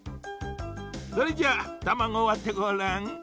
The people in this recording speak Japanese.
それじゃたまごをわってごらん。